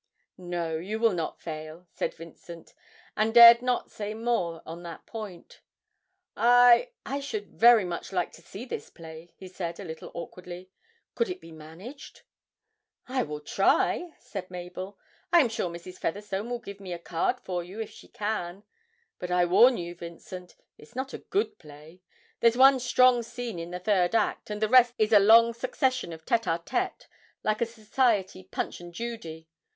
'No, you will not fail,' said Vincent, and dared not say more on that point. 'I I should like very much to see this play,' he said, a little awkwardly. 'Could it be managed?' 'I will try,' said Mabel. 'I am sure Mrs. Featherstone will give me a card for you if she can. But I warn you, Vincent, it's not a good play. There's one strong scene in the third act, and the rest is a long succession of tête à tête like a society "Punch and Judy."